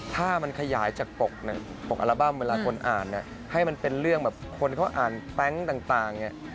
ถ้ามันขยายจากปกอัลบั้มเวลาคนอ่านให้มันเป็นเรื่องแบบคนเขาอ่านแป๊งต่างเนี่ย